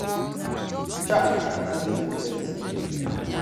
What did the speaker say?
Chaaah!! Ancestors no dey ever sleep.